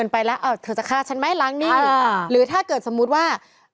ปราธนาให้สัดรึเปล่า